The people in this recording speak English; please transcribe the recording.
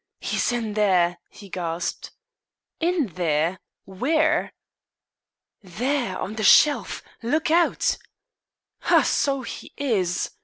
"He's in there!" he gasped. "In there? Where?" "There on the shelf! Look out!" "Ha! So he is!"